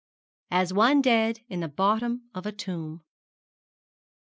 'AS ONE DEAD IN THE BOTTOM OF A TOMB.'